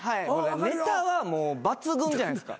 ネタはもう抜群じゃないですか。